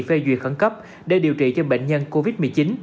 phê duyệt khẩn cấp để điều trị cho bệnh nhân covid một mươi chín